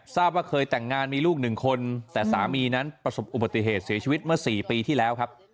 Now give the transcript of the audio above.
ทราบว่าเคยแต่งงานมีลูกหนึ่งคนแต่สามีนั้นประสบอุบัติเหตุเสียชีวิตเมื่อ๔ปีที่แล้วครับ